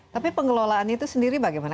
tapi pengelolaan itu sendiri bagaimana